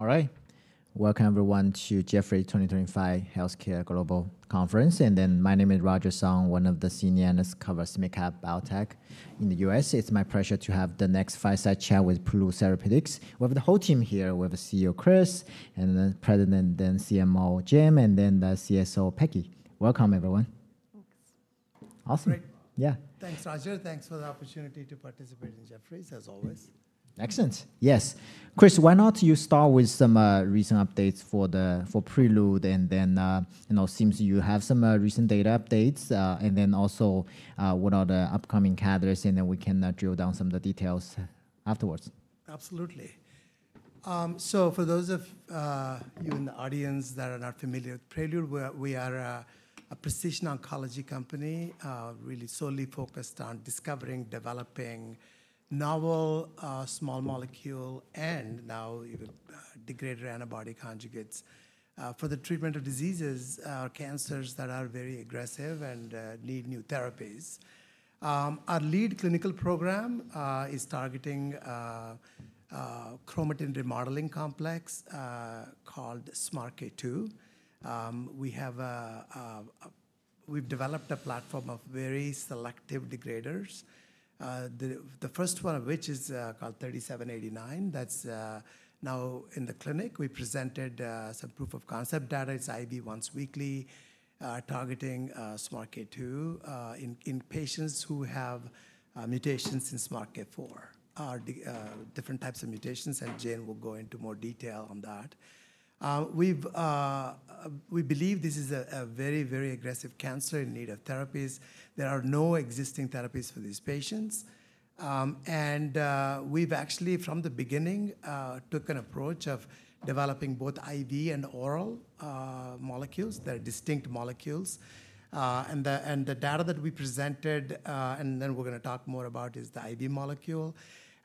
All right, welcome everyone to Jefferies 2025 Healthcare Global Conference. My name is Roger Song, one of the senior analysts covering SMID Biotech in the US. It's my pleasure to have the next fireside chat with Prelude Therapeutics. We have the whole team here. We have CEO Kris and the president, then CMO Jane and then CSO Peggy. Welcome everyone. Thanks. Awesome. Yeah, thanks Roger. Thanks for the opportunity to participate in Jefferies. Kris, as always, excellent. Yes, Kris, why not you start with some recent updates for Prelude and then, you know, seems you have some recent data updates and then also what are the upcoming catalysts and then we can drill down some of the details afterwards. Absolutely. For those of you in the audience that are not familiar with Prelude, we are a precision oncology company really solely focused on discovering, developing novel small molecule and now even degraded antibody conjugates for the treatment of diseases, cancers that are very aggressive and need new therapies. Our lead clinical program is targeting chromatin remodeling complex called SMARCA2. We have developed a platform of very selective degraders, the first one of which is called 3789 that is now in the clinic. We presented some proof of concept data. It is IV once weekly targeting SMARCA2 in patients who have mutations in SMARCA4, different types of mutations, and Jane will go into more detail on that. We believe this is a very, very aggressive cancer in need of therapies. There are no existing therapies for these patients. And We've actually from the beginning took an approach of developing both IV and oral molecules. They're distinct molecules. The data that we presented and then we're going to talk more about is the IV molecule.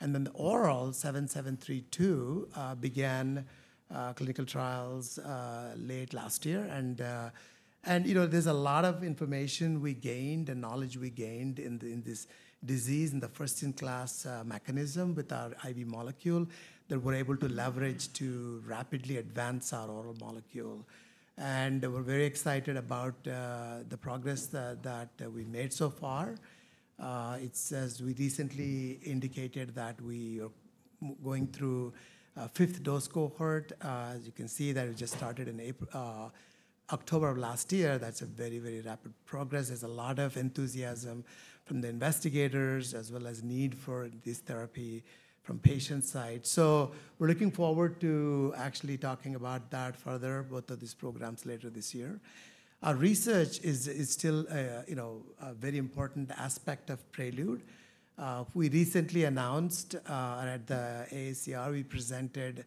Then the oral 7732 began clinical trials late last year and there's a lot of information we gained and knowledge we gained in this disease in the first in class mechanism with our IV molecule that we're able to leverage to rapidly advance our oral molecule. We're very excited about the progress that we've made so far. We recently indicated that we are going through fifth dose cohort. As you can see that it just started in October of last year. That's a very very rapid progress. There's a lot of enthusiasm from the investigators as well as need for this therapy from patient side. We're looking forward to actually talking about that further, both of these programs, later this year. Our research is still a very important aspect of Prelude. We recently announced at the AACR we presented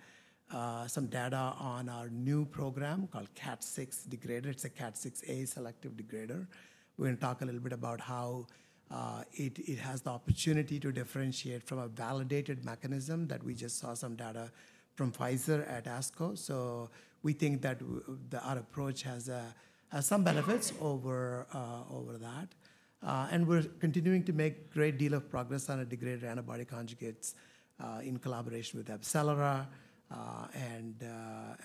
some data on our new program called CAT6A degrader. It's a CAT6A, a selective degrader. We're going to talk a little bit about how it has the opportunity to differentiate from a validated mechanism that we just saw some data from Pfizer at ASCO. We think that our approach has some benefits over that. We're continuing to make a great deal of progress on degrader antibody conjugates in collaboration with Arcellera and We are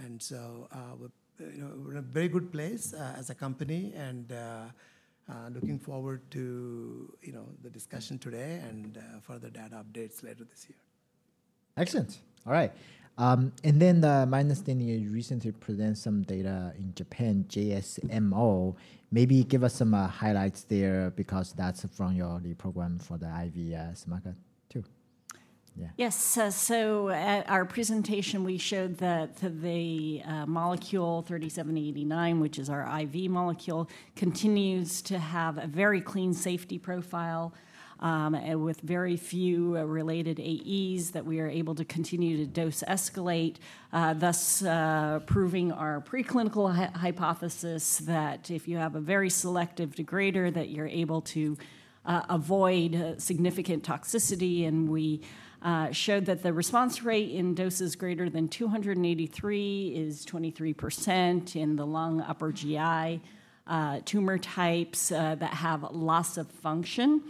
in a very good place as a company and looking forward to the discussion today and further data updates later this year. Excellent. All right. My understanding, you recently presented some data in Japan, JSMO. Maybe give us some highlights there because that's from your program for the IV SMARCA2. Yeah. Yes. At our presentation we showed that the molecule 3789, which is our IV molecule, continues to have a very clean safety profile with very few related AEs that we are able to continue to dose escalate, thus proving our preclinical hypothesis that if you have a very selective degrader that you're able to avoid significant toxicity. We showed that the response rate in doses greater than 283 is 23% in the lung upper GI tumor types that have loss of function.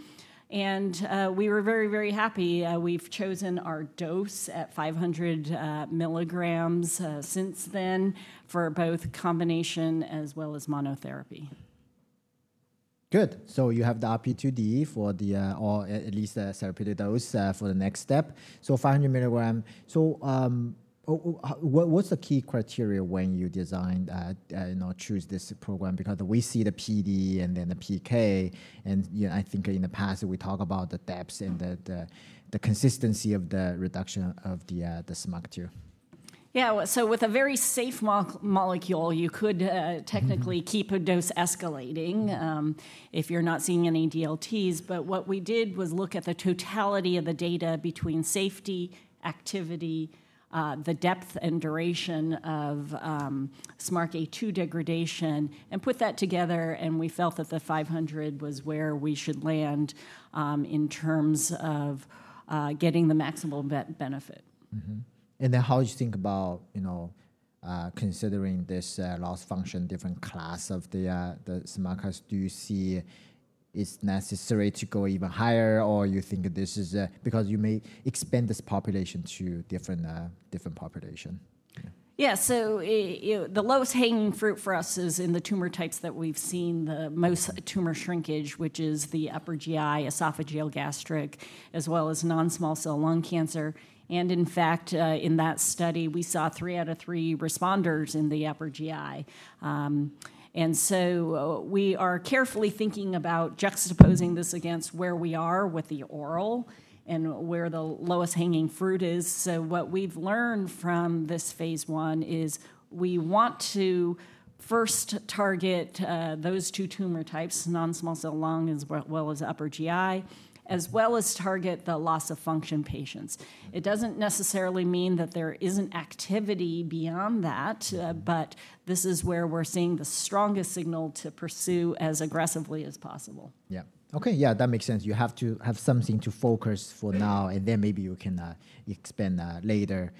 We were very, very happy. We've chosen our dose at 500 mg since then for both combination as well as monotherapy. Good. You have the RP2D for the, or at least therapeutic dose for the next step. 500 milligram. What's the key criteria when you design, choose this program? Because we see the PD and then the PK, and I think in the past we talk about the depth and the consistency of the reduction of the SMARCA2. Yeah. With a very safe molecule you could technically keep a dose escalating if you're not seeing any DLTs. What we did was look at the totality of the data between safety, activity, the depth and duration of SMARCA2 degradation, and put that together, and we felt that the 500 was where we should land in terms of getting the maximum benefit. How do you think about considering this loss function, different class of the SMARCA2s, do you see is necessary to go even higher? Or you think this is because you may expand this population to different population? Yes. The lowest hanging fruit for us is in the tumor types that we've seen the most tumor shrinkage, which is the upper GI, esophageal, gastric, as well as non-small cell lung cancer. In fact, in that study, we saw three out of three responders in the upper GI. We are carefully thinking about juxtaposing this against where we are with the oral and where the lowest hanging fruit is. What we've learned from this phase one is we want to first target those two tumor types, non-small cell lung as well as upper GI, as well as target the loss-of-function patients. It doesn't necessarily mean that there isn't activity beyond that, but this is where we're seeing the strongest signal to pursue as aggressively as possible. Yeah, okay. Yeah, that makes sense. You have to have something to focus for now and then maybe you can expand later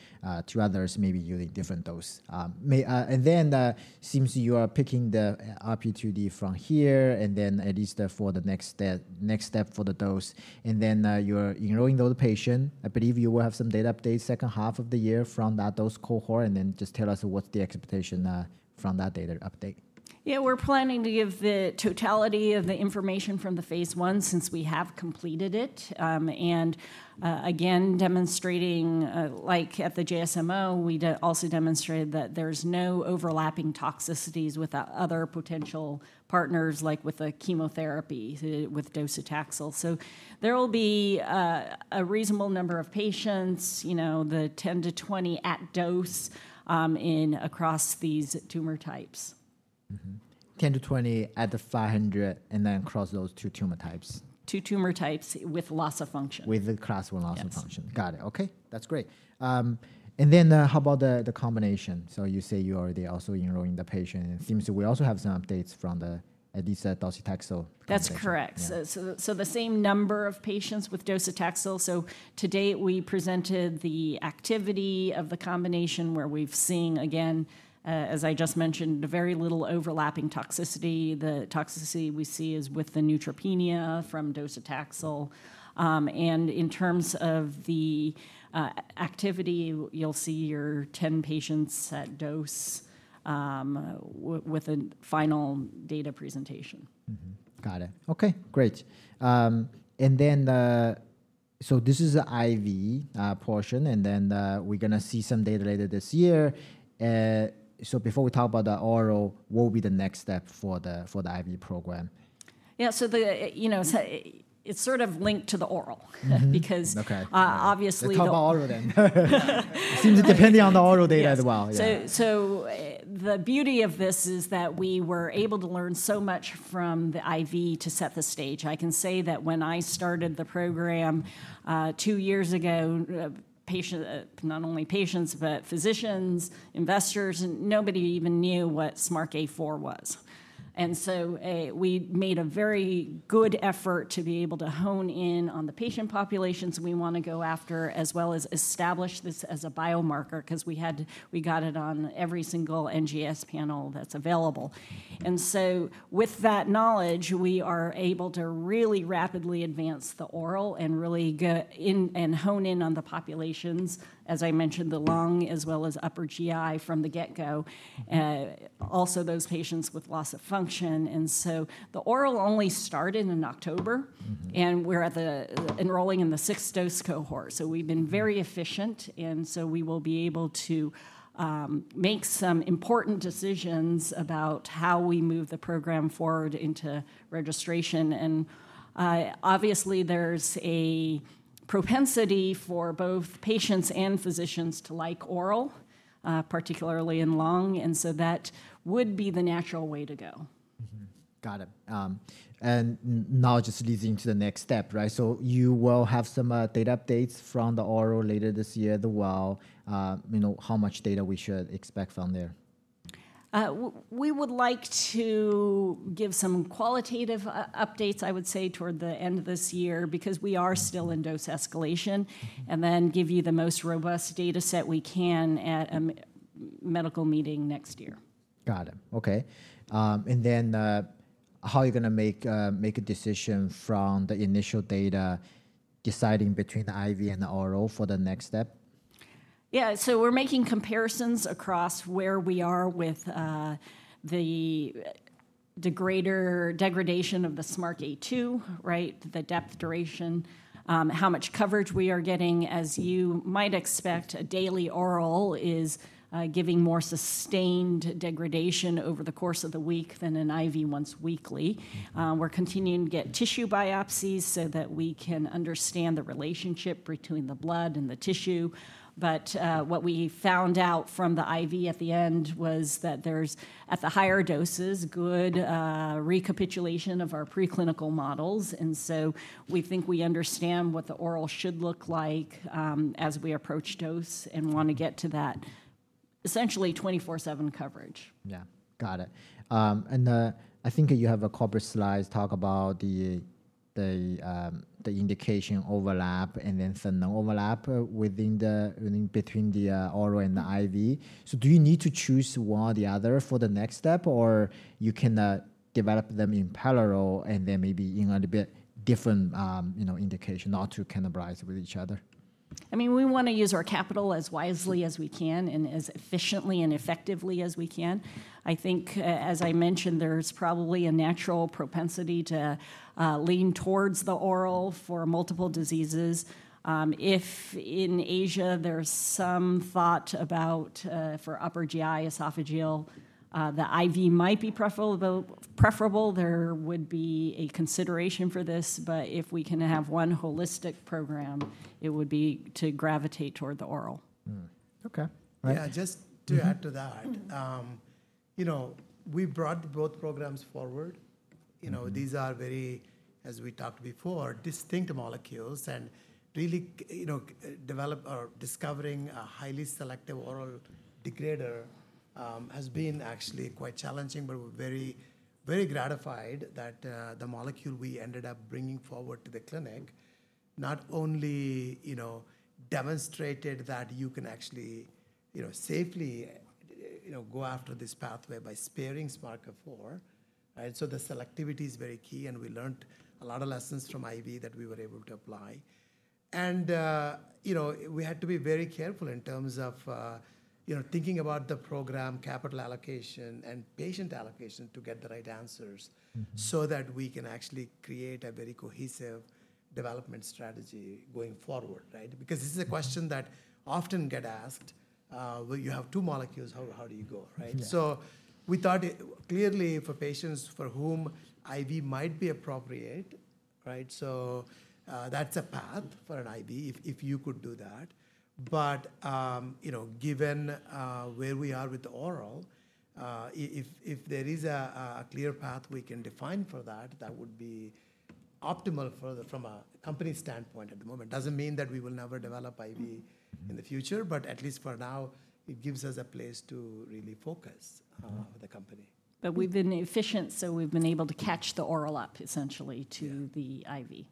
to others, maybe using different dose. It seems you are picking the RP2D from here and then at least for the next step. Next step for the dose, and then you're ignoring those patients. I believe you will have some data updates second half of the year from that dose cohort and then just tell us what's the expectation from that data update? Yeah, we're planning to give the totality of the information from the phase one since we have completed it. Again, demonstrating like at the JSMO, we also demonstrated that there's no overlapping toxicities with other potential partners, like with a chemotherapy with docetaxel. There will be a reasonable number of patients, you know, the 10-20 at dose across these tumor types. 10-20 at the 500, and then across those two tumor types. Two tumor types with loss of function. With the class one loss of function. Got it. Okay, that's great. In then how about the combination? You say you already also enrolling the patient. It seems we also have some updates from the Adiza docetaxel. That's correct. The same number of patients with docetaxel so, today we presented the activity of the combination where we've seen, again, as I just mentioned, very little overlapping toxicity. The toxicity we see is with the neutropenia from docetaxel. In terms of the activity, you'll see your 10 patients at dose with a final data presentation. Got it. Okay, great. This is the IV portion and then we're going to see some data later this year. Before we talk about the oral, what will be the next step for the IV program? Yeah, so it's sort of linked to the oral because obviously. Depending on the oral data as well. So the beauty of this is that we were able to learn so much from the IV to set the stage. I can say that when I started the program two years ago, not only patients, but physicians, investors, nobody even knew what SMARCA4 was. We made a very good effort to be able to hone in on the patient populations we want to go after as well as establish this as a biomarker because we got it on every single NGS panel that is available. With that knowledge, we are able to really rapidly advance the oral and really hone in on the populations, as I mentioned, the lung as well as upper GI from the get go, also those patients with loss-of-function. The oral only started in October and we are enrolling in the sixth dose cohort. We have been very efficient. We will be able to make some important decisions about how we move the program forward into registration. Obviously, there is a propensity for both patients and physicians to like oral, particularly in lung. That would be the natural way to go. Got it. That just leads into the next step. Right. You will have some data updates from the oral later this year as well. You know how much data we should expect from there. We would like to give some qualitative updates, I would say toward the end of this year because we are still in dose escalation, and then give you the most robust data set we can at a medical meeting next year. Got it. Okay. How are you going to make a decision from the initial data, deciding between the IV and the RO for the next step? Yeah, so we're making comparisons across where we are with the greater degradation of the SMARCA2. Right. The depth, duration, how much coverage we are getting. As you might expect, a daily oral is giving more sustained degradation over the course of the week than an IV once weekly. We're continuing to get tissue biopsies so that we can understand the relationship between the blood and the tissue. What we found out from the IV at the end was that there's, at the higher doses, good recapitulation of our preclinical models. We think we understand what the oral should look like as we approach dose and want to get to that essentially 24/7 coverage. Yeah, got it. And the, I think you have a couple of slides talk about the indication overlap and then overlap between the oral and the IV. So do you need to choose one or the other for the next step? Or you can develop them in parallel and then maybe in a bit different indication not to cannibalize with each other. I mean, we want to use our capital as wisely as we can and as efficiently and effectively as we can. I think, as I mentioned, there's probably a natural propensity to lean towards the oral for multiple diseases. If in Asia, there's some thought about for upper GI esophageal, the IV might be preferable. There would be a consideration for this. If we can have one holistic program, it would be to gravitate toward the oral. Okay, yeah. Just to add to that, we brought both programs forward. These are very, as we talked before, distinct molecules. Really discovering a highly selective oral degrader has been actually quite challenging. We are very gratified that the molecule we ended up bringing forward to the clinic not only demonstrated that you can actually safely go after this pathway by sparing SMARCA4. The selectivity is very key, and we learned a lot of lessons from IV that we were able to apply. We had to be very careful in terms of thinking about the program, capital allocation, and patient allocation to get the right answer so that we can actually create a very cohesive development strategy going forward. This is a question that often gets asked, you have two molecules. How do you go? We thought clearly, for patients for whom IV might be appropriate, that's a path for an IV, if you could do that. Given where we are with oral, if there is a clear path we can define for that, that would be optimal from a company standpoint at the moment. It does not mean that we will never develop IV in the future, but at least for now, it gives us a place to really focus the company. We have been efficient, so we have been able to catch the oral up essentially to the IV. Yeah,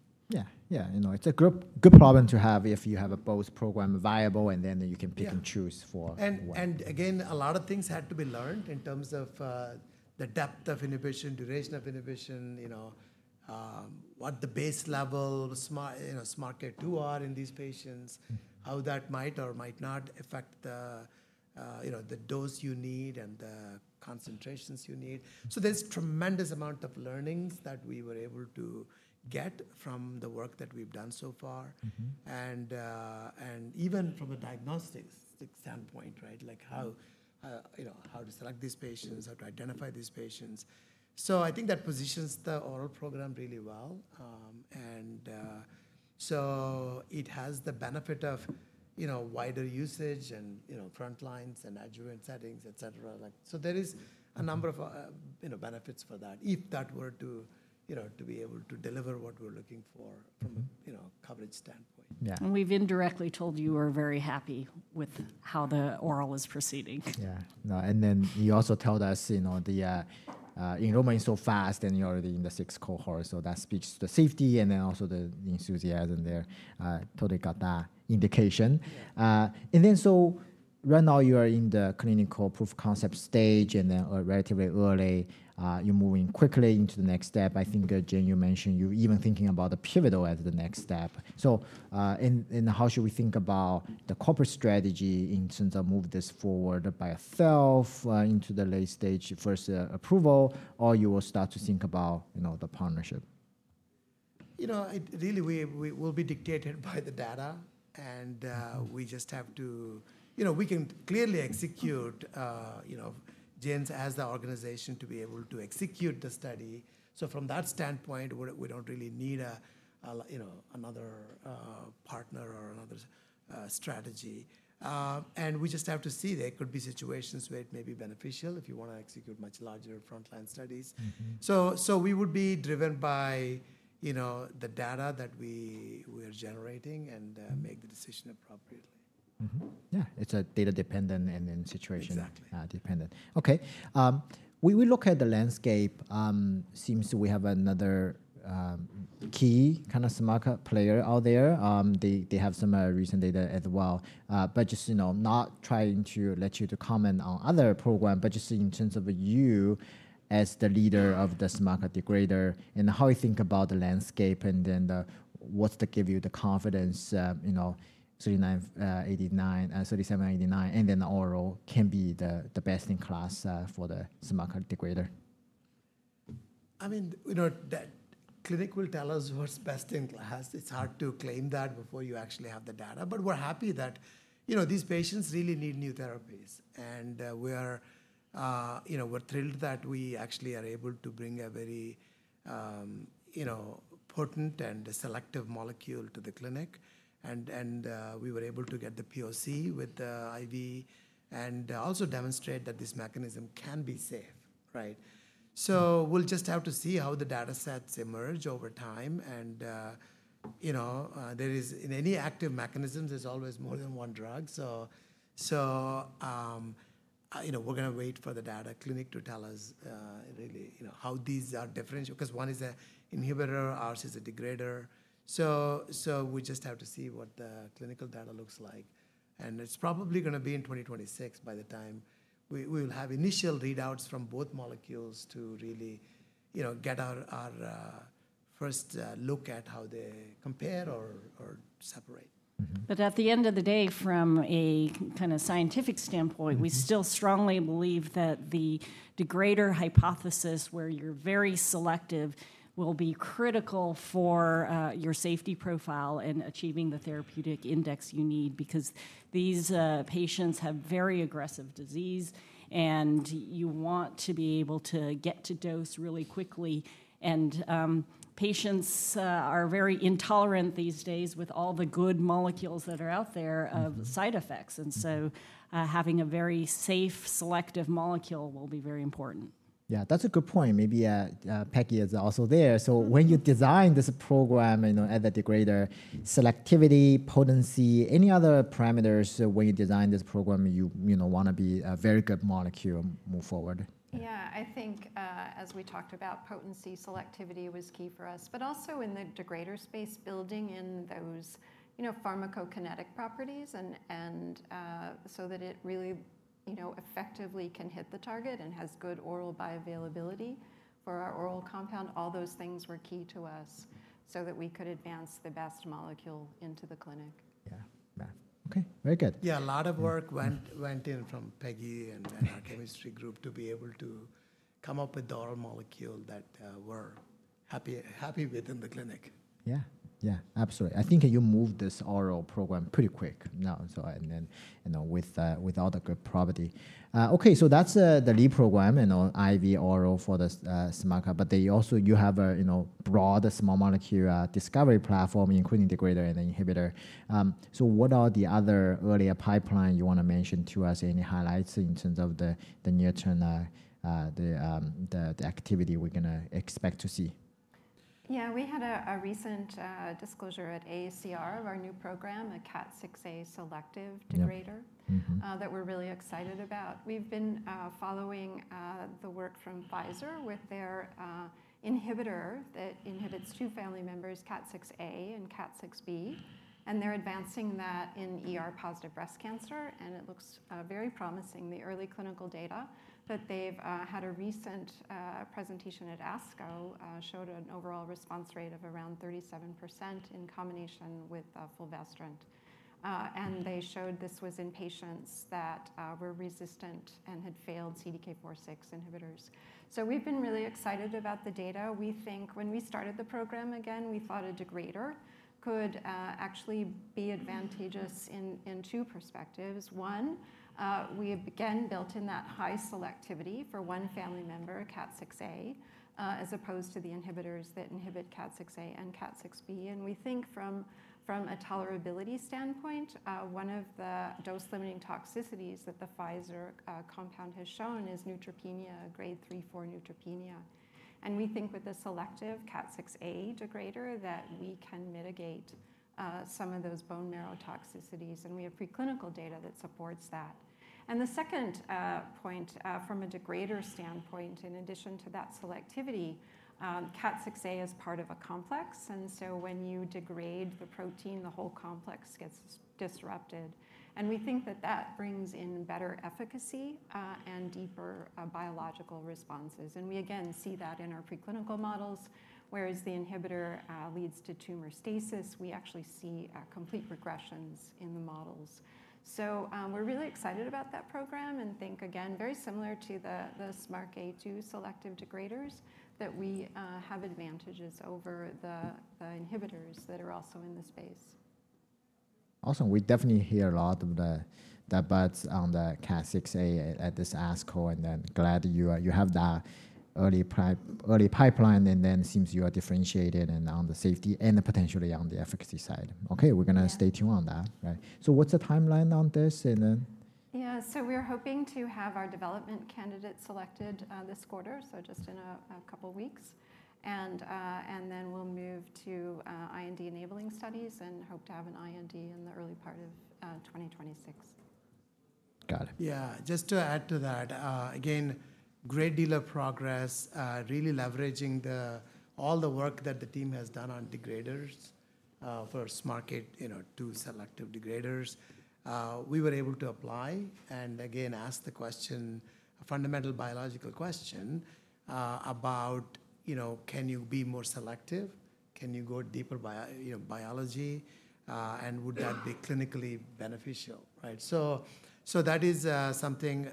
yeah. It's a good problem to have if you have both program viable and then you can pick and choose for. And again a lot of things had to be learned in terms of the depth of inhibition, duration of inhibition, what the base level SMARCA2 are in these patients, how that might or might not affect the dose you need and the concentrations you need. There is a tremendous amount of learnings that we were able to get from the work that we've done so far, and even from a diagnostics standpoint. Right. Like how, you know, how to select these patients, how to identify these patients. I think that positions the oral program really well, and it has the benefit of, you know, wider usage and, you know, front lines and adjuvant settings, et cetera. There is a number of, you know, benefits for that if that were to, you know, to be able to deliver what we're looking for from a Coverage standpoint. We've indirectly told you we're very happy with how the oral is proceeding. Yeah. You also told us the enrollment is so fast and you're already in the sixth cohort. That speaks to safety and also the enthusiasm there. Totally got that indication. Right now you are in the clinical proof of concept stage and relatively early, you're moving quickly into the next step. I think Jane, you mentioned you are even thinking about the pivotal as the next step. How should we think about the corporate strategy in terms of moving this forward by itself into the late stage? First approval or you will start to think about the partnership. Really will be dictated the data. We just have to. We can clearly execute, Jens, as the organization to be able to execute the studies. From that standpoint, we do not really need another partner or another strategy. We just have to see. There could be situations where it may be beneficial if you want to execute much larger frontline studies. We would be driven by the data that we are generating and make the decision appropriately. Yeah, it's data dependent and situation dependent. Okay. When we look at the landscape, seems we have another key kind of smart player out there. They have some recent data as well. Just not trying to let you to comment on other program but just in terms of you as the leader of the SMARCA2 degrader and how you think about the landscape and then what's to give you the confidence 3789 and then oral can be the best in class for the SMARCA2 degrader. I mean, you know, that clinic will tell us what's best in class. It's hard to claim that before you actually have the data. But we're happy that, you know, these patients really need new therapies and we are, you know, we're thrilled that we actually are able to bring a very, you know, potent and selective molecule to the clinic. And we were able to get the POC with IV and also demonstrate that this mechanism can be safe. Right. We'll just have to see how the data sets emerge over time. You know, there is in any active mechanisms, there's always more than one drug. You know, we're going to wait for the data clinic to tell us really, you know, how these are differential because one is a inhibitor, ours is a degrader. We just have to see what the clinical data looks like and it's probably going to be in 2026 by the time we will have initial readouts from both molecules to really get our first look at how they compare or separate. At the end of the day, from a kind of scientific standpoint, we still strongly believe that the degrader hypothesis, where you're very selective, will be critical for your safety profile and achieving the therapeutic index you need. Because these patients have very aggressive disease and you want to be able to get to dose really quickly. Patients are very intolerant these days with all the good molecules that are out there of side effects. Having a very safe selective molecule will be very important. Yeah, that's a good point. Maybe Peggy is also there. So when you design this program, at the degrader, selectivity, potency, any other parameters, when you design this program, you want to be a very good molecule, move forward. Yeah, I think as we talked about, potency selectivity was key for us, but also in the degrader space, building in those pharmacokinetic properties so that it really effectively can hit the target and has good oral bioavailability for our oral compound. All those things were key to us so that we could advance the best molecule into the clinic. Yeah, okay, very good. Yeah. A lot of work went in from Peggy Scherle and our chemistry group to be able to come up with oral molecule that we're happy with in the clinic. Yeah, absolutely. I think you move this oral program pretty quick now with all the good property that's the lead program, IV oral for the SMARCA2. Also, you have broad small molecule discovery platform including degrader and the inhibitor. What are the other earlier pipeline you want to mention to us? Any highlights in terms of the near term, the activity we're going to expect to see? Yeah, we had a recent disclosure at AACR of our new program, a CAT6A selective degrader that we're really excited about. We've been following the work from Pfizer with their inhibitor that inhibits two family members, CAT6A and CAT6B. They're advancing that in ER-positive breast cancer. It looks very promising, the early clinical data. They've had a recent presentation at ASCO that showed an overall response rate of around 37% in combination with Fulvestrant. They showed this was in patients that were resistant and had failed CDK4/6 inhibitors. We've been really excited about the data. We think when we started the program again, we thought a degrader could actually be advantageous in two perspectives. One, we again built in that high selectivity for one family member, CAT6A, as opposed to the inhibitors that inhibit CAT6A and CAT6B. We think from a tolerability standpoint, one of the dose limiting toxicities that the Pfizer compound has shown is neutropenia, grade three, four neutropenia. We think with a selective CAT6A degrader that we can mitigate some of those bone marrow toxicities. We have preclinical data that supports that. The second point, from a degrader standpoint, in addition to that selectivity, CAT6A is part of a complex. When you degrade the protein, the whole complex gets disrupted. We think that brings in better efficacy and deeper biological responses. We again see that in our preclinical models. Whereas the inhibitor leads to tumor stasis, we actually see complete regressions in the models. So We're really excited about that program and think again, very similar to the SMARCA2 selective degraders, that we have advantages over the inhibitors that are also in the space. Awesome. We definitely hear a lot of the buzz on the CAT6A at this ASCO and then. Glad you have that early pipeline. It seems you are differentiated on the safety and potentially on the efficacy side. Okay, we're going to stay tuned on that. What's the timeline on this? Yeah, we're hoping to have our development candidates selected this quarter. Just in a couple weeks and then we'll move to IND enabling studies and hope to have an IND in the early part of 2026. Got it. Yeah. Just to add to that, again, great deal of progress really leveraging all the work that the team has done on degraders. First market to selective degraders we were able to apply and again ask the question, a fundamental biological question about can you be more selective, can you go deeper biology and would that be clinically beneficial? Right. That is something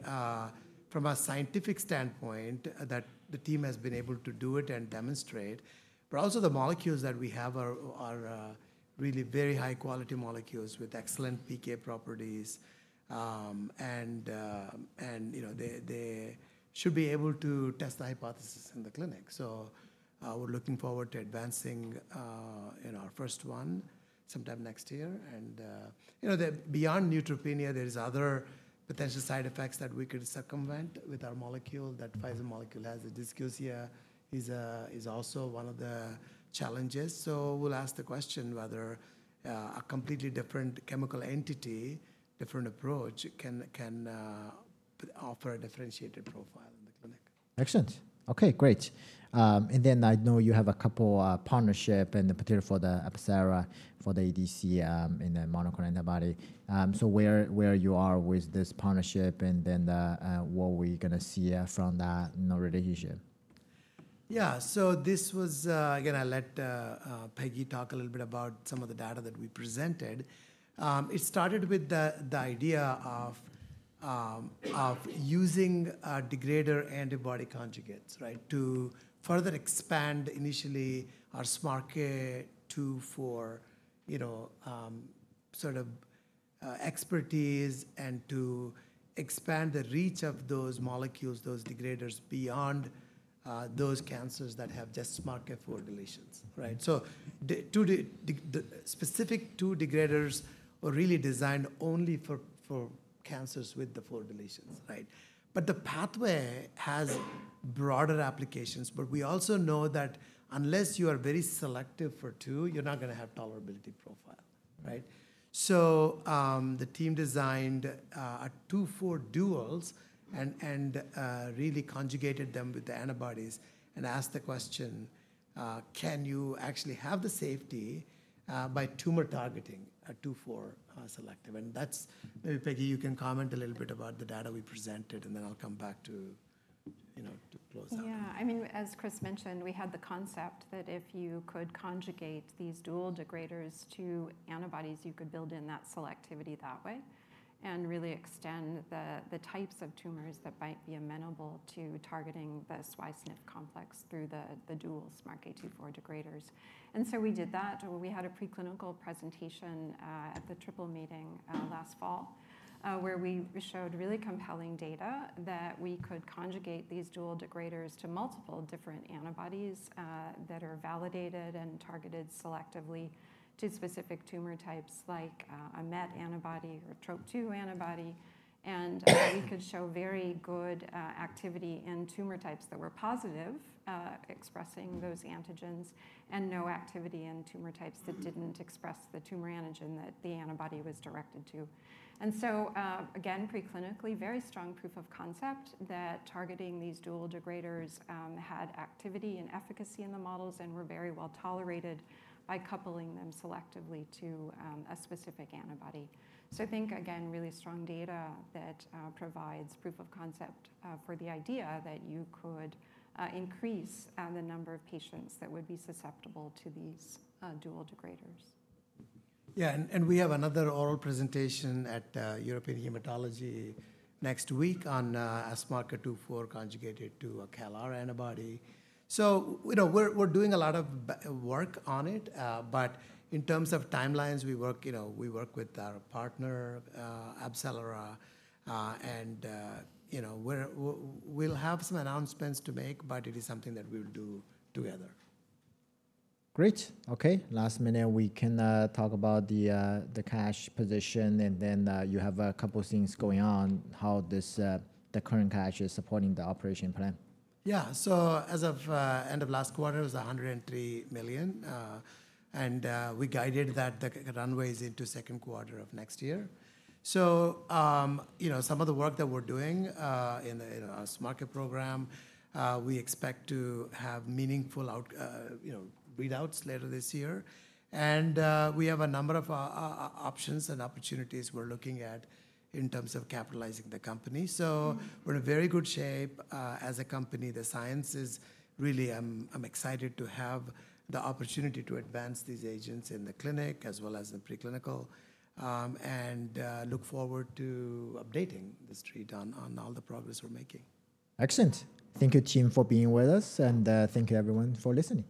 from a scientific standpoint that the team has been able to do it and demonstrate. Also the molecules that we have are really very high quality molecules with excellent PK properties and they should be able to test the hypothesis in the clinic. We're looking forward to advancing our first one sometime next year. Beyond neutropenia, there's other potential side effects that we could circumvent with our molecule. That Pfizer molecule has a dysgeusia is also one of the challenges. We'll ask the question whether a completely different chemical entity, different approach, can offer a differentiated profile in the clinic. Excellent. Okay, great. I know you have a couple partnership, and in particular for the Arcellera for the ADC in the monoclonal antibody. Where you are with this partnership, and then what are we going to see from that? No readouts yet. Yeah. This was again, I let Peggy talk a little bit about some of the data that we presented. It started with the idea of using degrader antibody conjugates, right, to further expand initially our SMARCA2 for, you know, sort of expertise and to expand the reach of those molecules, those degraders, beyond those cancers that have just SMARCA4 deletions, right. The specific two degraders were really designed only for cancers with the 4 deletions. The pathway has broader applications. We also know that unless you are very selective for 2, you are not going to have tolerability profile. The team designed 2-4 duals and really conjugated them with the antibodies and asked the question, can you actually have the safety by tumor targeting a 2-4 selective? Maybe Peggy, you can comment a little bit about the data we presented and then I'll come back to, you know. Yeah, I mean, as Kris mentioned, we had the concept that if you could conjugate these dual degraders to antibodies, you could build in that selectivity that way and really extend the types of tumors that back might be amenable to targeting the BAF complex through the dual SMARCA2/4 degraders. We did that. We had a preclinical presentation at the triple meeting last fall where we showed really compelling data that we could conjugate these dual degraders to multiple different antibodies that are validated and targeted selectively to specific tumor types, like a MET antibody or TROP2 antibody. We could show very good activity in tumor types that were positive expressing those antigens and no activity in tumor types that did not express the tumor antigen that the antibody was directed to. Preclinically, very strong proof of concept that targeting these dual degraders had activity and efficacy in the models and were very well tolerated by coupling them selectively to a specific antibody. I think again, really strong data that provides proof of concept for the idea that you could increase the number of patients that would be susceptible to these dual degraders. Yeah. We have another oral presentation at European Hematology next week on SMARCA2/4 conjugated to a CALR antibody. You know, we're doing a lot of work on it, but in terms of timelines, we work, you know, we work with our partner Arcellera, and you know, we'll have some announcements to make, but it is something that we'll do together. Great. Okay, last minute we can talk about the cash position and then you have a couple things going on how this the current cash is supporting the operation plan. Yeah. As of end of last quarter it was $103 million and we guided that the runways into second quarter of next year. You know, some of the work that we're doing in our SmartCare program, we expect to have meaningful, you know, readouts later this year and we have a number of options and opportunities we're looking at in terms of capitalizing the company. We're in very good shape as a company. The science is really, I'm excited to have the opportunity to advance these agents in the clinic as well as the preclinical and look forward to updating this treat on all the progress we're making. Excellent. Thank you team for being with us and thank you everyone for listening.